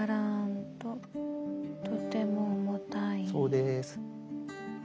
そうです。